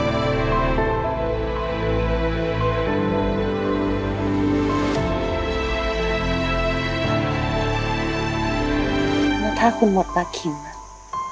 แล้วถ้าคุณหมดรักขิมอะ